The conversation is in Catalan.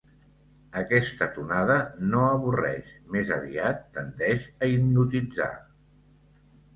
Aquesta tonada no avorreix, més aviat tendeix a hipnotitzar.